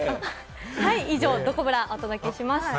はい、以上、どこブラをお届けしました。